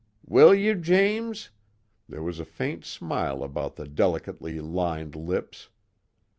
"Will you, James?" There was a faint smile about the delicately lined lips.